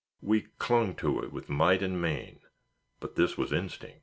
We clung to it with might and main; but this was instinct.